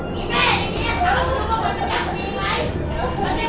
มึงทำบ้าอีกอย่างนี้